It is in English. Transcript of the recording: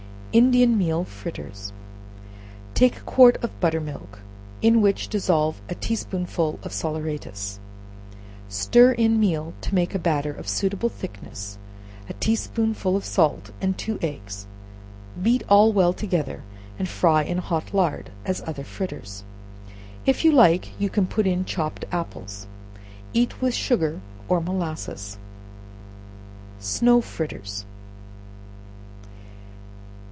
Indian Meal Fritters. Take a quart of butter milk, (in which dissolve a tea spoonful of salaeratus,) stir in meal to make a batter of suitable thickness, a tea spoonful of salt and two eggs; beat all well together, and fry in hot lard, as other fritters. If you like, you can put in chopped apples. Eat with sugar or molasses. Snow Fritters.